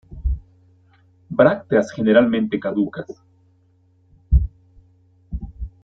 Brácteas generalmente caducas.